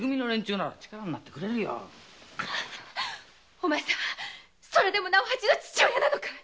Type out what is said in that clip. お前さんはそれでも直八の父親なのかい！